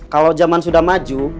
kalau jaman sudah maju